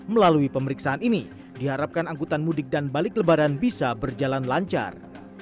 melalui pemeriksaan ini diharapkan angkutan mudik dan balik lebaran bisa berjalan lancar